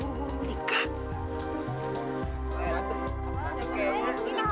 eh ini kayaknya gue terbara nih